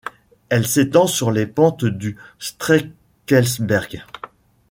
Elle s'étend sur les pentes du Streckelsberg.